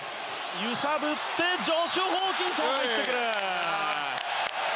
揺さぶってジョシュ・ホーキンソンが入ってくる。